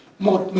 các đường sắt này